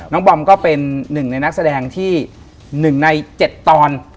บอมก็เป็นหนึ่งในนักแสดงที่๑ใน๗ตอน